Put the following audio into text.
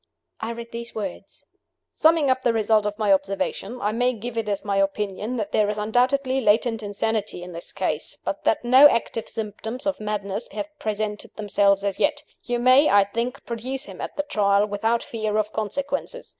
I read these words: "Summing up the results of my observation, I may give it as my opinion that there is undoubtedly latent insanity in this case, but that no active symptoms of madness have presented themselves as yet. You may, I think, produce him at the Trial, without fear of consequences.